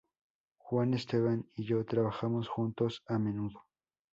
Juan Esteban y yo trabajamos juntos a menudo.